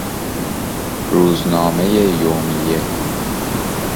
روزنامهی یومیه